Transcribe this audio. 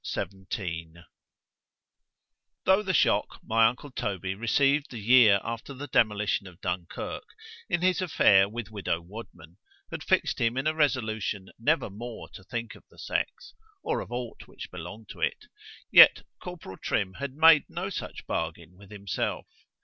XVII THO' the shock my uncle Toby received the year after the demolition of Dunkirk, in his affair with widow Wadman, had fixed him in a resolution never more to think of the sex—or of aught which belonged to it;—yet corporal Trim had made no such bargain with himself.